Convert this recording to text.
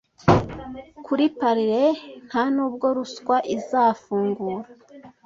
Kuri parley - ntanubwo ruswa izafungura.